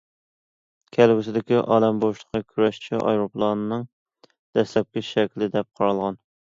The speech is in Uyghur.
كەلگۈسىدىكى ئالەم بوشلۇقى كۈرەشچى ئايروپىلانىنىڭ دەسلەپكى شەكلى دەپ قارالغان.